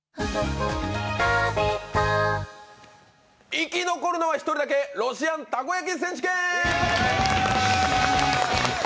生き残るのは１人だけロシアンたこ焼き選手権。